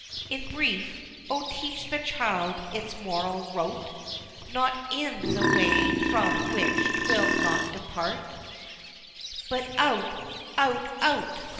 XIX. In brief, Oh teach the child its moral rote, Not in the way from which 'twill not depart, But out out out!